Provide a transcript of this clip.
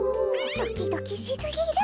ドキドキしすぎる。